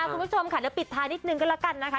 คุณผู้ชมค่ะจะปิดทางนิดนึงก็ละกันนะคะ